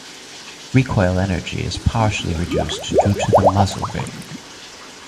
Recoil energy is partially reduced due to the muzzle brake.